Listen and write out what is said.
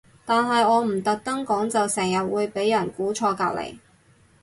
但係我唔特登講就成日會俾人估錯隔離